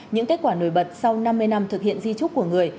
những kết quả nổi bật sau năm mươi năm thực hiện di trúc của người